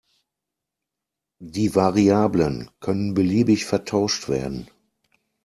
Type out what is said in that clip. Die Variablen können beliebig vertauscht werden.